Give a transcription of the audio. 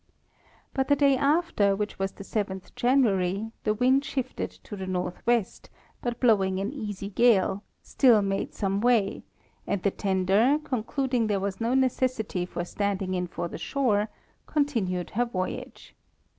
But the day after, which was the 7th January, the wind shifted to the northwest, but blowing an easy gale, still made some way, and the tender, concluding there was no necessity for standing in for the shore, continued her voyage.